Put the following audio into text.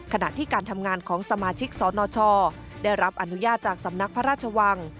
ขณะที่การทำงานของสมาชิกสนชได้รับอนุญาตจากสำนักพระราชวัง